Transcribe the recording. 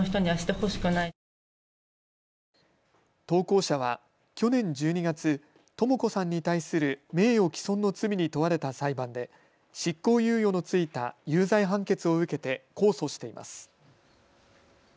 投稿者は去年１２月、とも子さんに対する名誉毀損の罪に問われた裁判で、執行猶予の付いた有罪判決を受けて控訴しています。